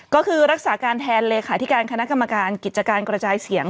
ก็คือรักษาการแทนเลขาธิการคณะกรรมการกิจการกระจายเสียง